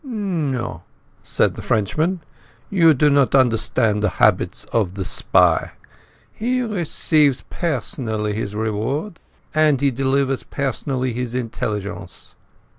"No," said the Frenchman. "You do not understand the habits of the spy. He receives personally his reward, and he delivers personally his intelligence.